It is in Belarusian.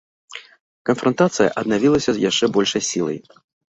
Канфрантацыя аднавілася з яшчэ большай сілай.